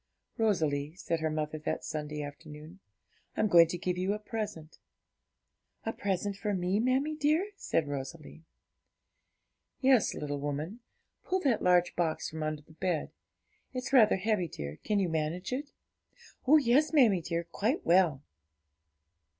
'Rosalie,' said her mother that Sunday afternoon, 'I'm going to give you a present.' 'A present for me, mammie dear?' said Rosalie. 'Yes, little woman. Pull that large box from under the bed. It's rather heavy, dear; can you manage it?' 'Oh yes, mammie dear, quite well.'